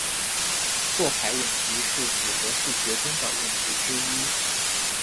错排问题是组合数学中的问题之一。